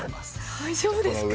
大丈夫ですか？